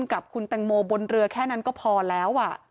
กับคุณแตงโมบนเรือแค่นั้นก็พอแล้ว